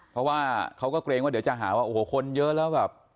เพราะว่าเขาก็เกรงว่าเดี๋ยวจะหาว่าโอ้โหคนเยอะแล้วแบบ